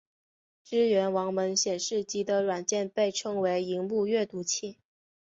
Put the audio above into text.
支援盲文显示机的软件被称为萤幕阅读器。